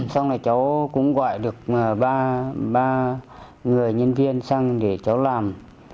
xong là cháu cũng gọi được ba người nhân viên sang để cháu làm